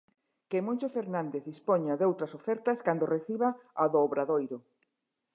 Que Moncho Fernández dispoña doutras ofertas cando reciba a do Obradoiro.